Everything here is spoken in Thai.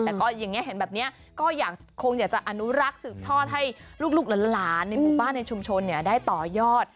แต่ก็อย่างนี้เห็นแบบนี้ก็คงอยากจะอนุรักษ์สืบทอดให้ลูกหลานในหมู่บ้านในชุมชนได้ต่อยอด